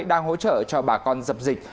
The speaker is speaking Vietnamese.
đang hỗ trợ cho bà con dập dịch